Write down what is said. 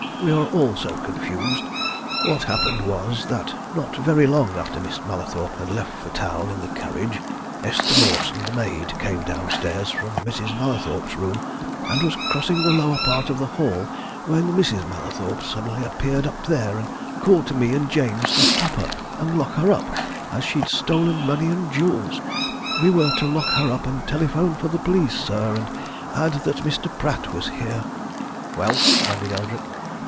We are all so confused! What happened was, that not very long after Miss Mallathorpe had left for town in the carriage, Esther Mawson, the maid, came downstairs from Mrs. Mallathorpe's room, and was crossing the lower part of the hall, when Mrs. Mallathorpe suddenly appeared up there and called to me and James to stop her and lock her up, as she'd stolen money and jewels! We were to lock her up and telephone for the police, sir, and to add that Mr. Pratt was here." "Well?" demanded Eldrick.